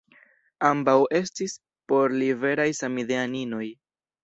Ambaŭ estis por li veraj samideaninoj.